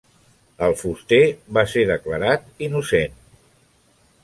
El fuster va ser declarat innocent.